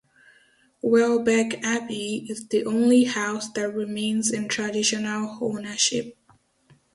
Welbeck Abbey is the only house that remains in traditional ownership.